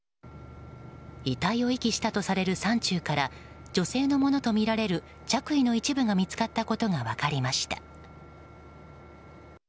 遺体を遺棄したとされる山中から女性のものとみられる着衣の一部が見つかったことが分かりました。